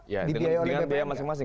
dengan biaya masing masing